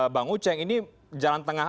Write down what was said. bang uceng ini jalan tengah